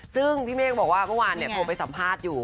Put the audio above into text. ซึ่งพี่เมฆบอกว่าเมื่อวานโทรไปสัมภาษณ์อยู่